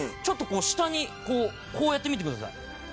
ちょっとこう下にこうこうやってみてください。